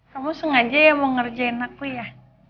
kamu sengaja ya mau ngerjain aku ya